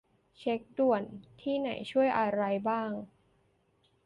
เช็กด่วนที่ไหนช่วยอะไรบ้าง